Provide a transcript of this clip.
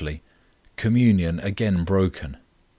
COMMUNION AGAIN BROKEN.